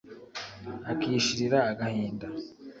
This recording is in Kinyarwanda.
akishirira agahinda.